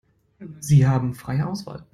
Sie haben freie Auswahl.